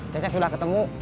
cecep sudah ketemu